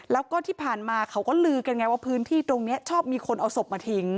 แล้วก็ที่ผ่านมาเขาก็ลือกันไงว่าพื้นที่ตรงนี้ชอบมีคนเอาศพมาทิ้ง